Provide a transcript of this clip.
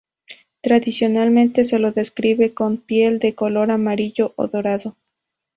Tradicionalmente se lo describe con piel de color amarillo o dorado.